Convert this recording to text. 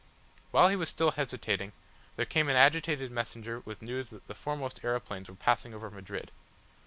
While he was still hesitating there came an agitated messenger with news that the foremost aeroplanes were passing over Madrid.